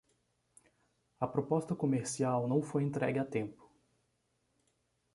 A proposta comercial não foi entregue a tempo